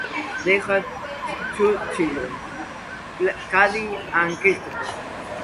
They had two children, Kady and Kristofer.